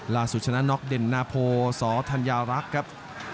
ล่าสุชนะนอกเด่นนาโพสธัญรักครับ